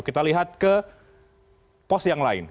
kita lihat ke pos yang lain